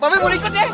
pape boleh ikut ya